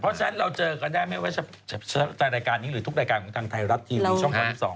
เพราะฉะนั้นเราเจอกันได้ไม่ว่าในรายการนี้หรือทุกรายการของทางไทยรัฐที่อยู่ในช่องข้อ๑๒นะครับ